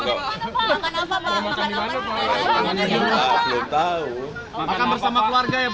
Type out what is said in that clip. makan bersama keluarga ya pak